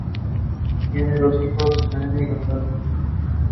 Tienen dos hijos, Cecilia y Gonzalo.